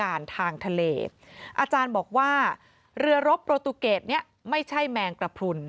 ทางทะเลอาจารย์บอกว่าเรือรบโปรตูเกตเนี่ยไม่ใช่แมงกระพรุน